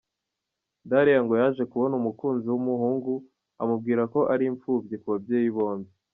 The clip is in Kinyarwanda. Dariya ngo yaje kubona umukunzi w'umuhungu amubwira ko ari imfubyi ku babyeyi bombi.